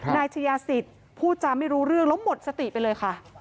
นายชายาศิษย์พูดจาไม่รู้เรื่องแล้วหมดสติไปเลยค่ะ